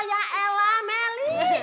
ya allah meli